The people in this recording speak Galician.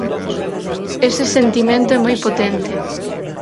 Ese sentimento é moi potente.